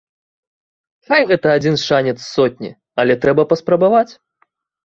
Хай гэта адзін шанец з сотні, але трэба паспрабаваць.